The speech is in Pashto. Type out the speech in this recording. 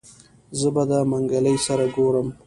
زه به د منګلي سره ګورم.